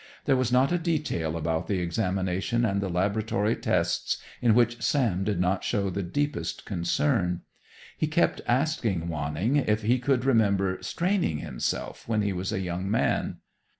There was not a detail about the examination and the laboratory tests in which Sam did not show the deepest concern. He kept asking Wanning if he could remember "straining himself" when he was a young man.